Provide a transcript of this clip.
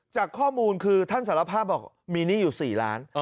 จากข้อมูลคือท่านสารภาพบอกมีหนี้อยู่๔ล้าน